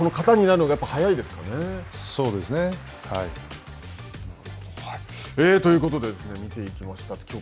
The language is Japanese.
そうですね。ということで、見ていきました。